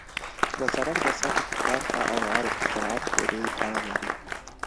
د سرک د سطحې طرح او عرض په سرعت پورې اړه لري